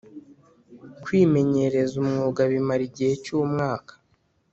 Kwimenyereza umwuga bimara igihe cy umwaka